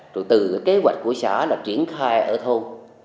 rồi từ cái kế hoạch của xã là triển khai ở thôn